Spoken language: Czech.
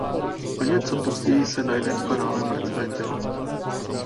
O něco později se najde v kanále mrtvé tělo.